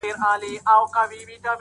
ستا دي تاج وي همېشه، لوړ دي نښان وي؛